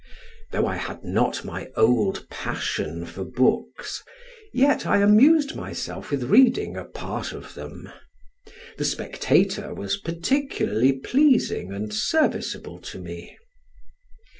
Though I had not my old passion for books, yet I amused myself with reading a part of them. The Spectator was particularly pleasing and serviceable to me.